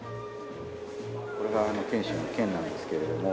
これがフェンシングの剣なんですけれども。